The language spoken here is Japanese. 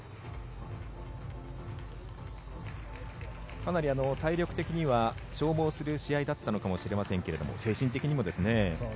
かなり体力的には消耗する試合だったのかもしれませんが精神的にもですね。